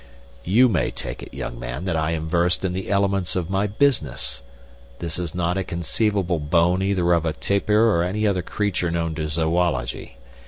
"You may take it, young man, that I am versed in the elements of my business. This is not a conceivable bone either of a tapir or of any other creature known to zoology.